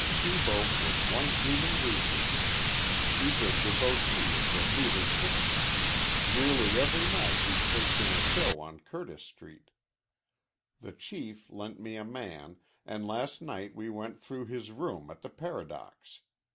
Shibo has one human weakness. He's a devotee of the moving pictures. Nearly every night he takes in a show on Curtis Street. The Chief lent me a man, an' last night we went through his room at the Paradox.